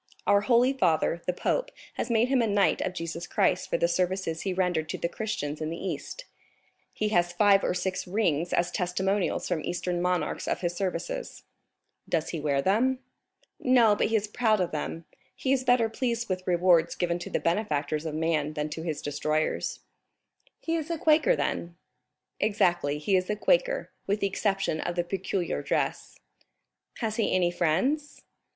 Our holy father, the pope, has made him a knight of Jesus Christ for the services he rendered to the Christians in the East; he has five or six rings as testimonials from Eastern monarchs of his services." "Does he wear them?" "No, but he is proud of them; he is better pleased with rewards given to the benefactors of man than to his destroyers." "He is a Quaker then?" "Exactly, he is a Quaker, with the exception of the peculiar dress." "Has he any friends?"